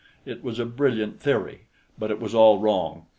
It was a brilliant theory, but it was all wrong.